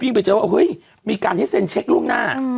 ไปเจอว่าเฮ้ยมีการให้เซ็นเช็คล่วงหน้า